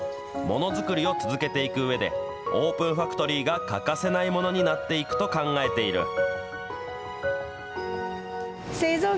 ものづくりを続けていくうえで、オープンファクトリーが欠かせないものになっていくと考えている。